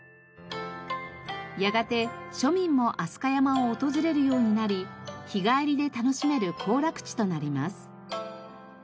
やがて庶民も飛鳥山を訪れるようになり日帰りで楽しめる行楽地となります。